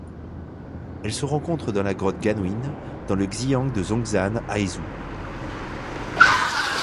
Elle se rencontre dans la grotte Guanyin dans le xian de Zhongshan à Hezhou.